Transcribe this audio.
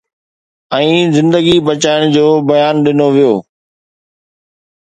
۽ زندگي بچائڻ جو بيان ڏنو ويو.